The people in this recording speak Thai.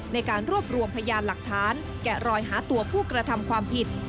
ในการรวบรวมพยานหลักฐานแกะรอยหาตัวผู้กระทำความผิด